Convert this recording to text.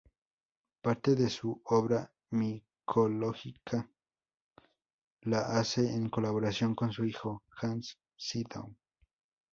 Parte de su obra micológica la hace en colaboración con su hijo, Hans Sydow.